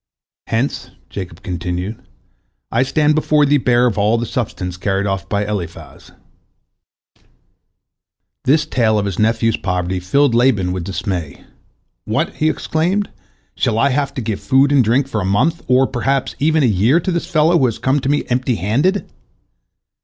Hence," Jacob continued, "I stand before thee bare of all the substance carried off by Eliphaz." This tale of his nephew's poverty filled Laban with dismay. "What," he exclaimed, "shall I have to give food and drink for a month or, perhaps, even a year to this fellow, who has come to me empty handed!"